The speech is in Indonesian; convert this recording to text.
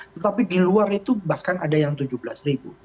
tetapi di luar itu bahkan ada yang tujuh belas ribu